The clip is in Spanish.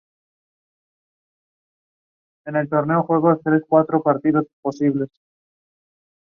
La novelización de MacGregor fue su primera colaboración con el universo de Indiana Jones.